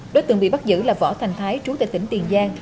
đối tượng bị bắt giữ là võ thành thái trú tại tỉnh tiền giang